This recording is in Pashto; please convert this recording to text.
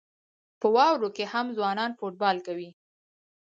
په واورو کې هم ځوانان فوټبال کوي.